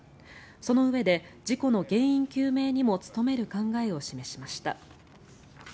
そのうえで、事故の原因究明にも努める考えを示しました。